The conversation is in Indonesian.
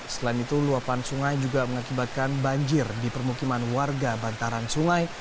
selain itu luapan sungai juga mengakibatkan banjir di permukiman warga bantaran sungai